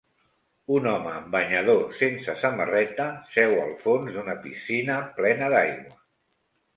Un home amb banyador sense samarreta seu al fons d'una piscina plena d'aigua.